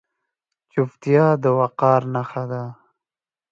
چوپتیا، د وقار نښه ده.